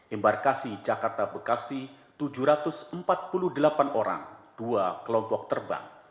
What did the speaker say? embarkasi jakarta perumah penjagaan republik indonesia bagian talian tujuh ratus empat puluh delapan orang dua kelompok terbang